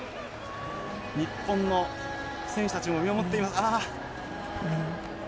日本の選手たちも見守っている。